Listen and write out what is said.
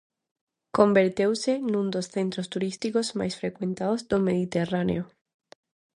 Converteuse nun dos centros turísticos máis frecuentados do Mediterráneo.